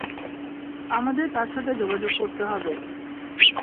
আমাদের তার সাথে যোগাযোগ করতে হবে।